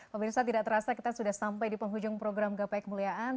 pemirsa tidak terasa kita sudah sampai di penghujung program gapai kemuliaan